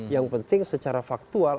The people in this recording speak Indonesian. yang penting secara faktual